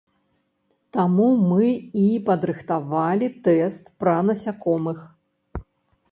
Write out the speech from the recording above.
Таму мы і падрыхтавалі тэст пра насякомых.